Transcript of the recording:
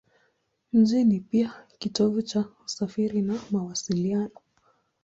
Mji ni pia kitovu cha usafiri na mawasiliano.